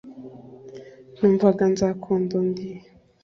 Numvaga nzakunda undi